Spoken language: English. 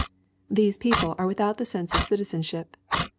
These people are without the sense of citizenship.